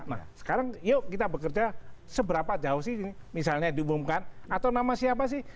nah sekarang yuk kita bekerja seberapa jauh sih misalnya diumumkan atau nama siapa sih